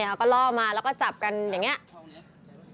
เขาก็ล่อมาแล้วก็จับกันอย่างนี้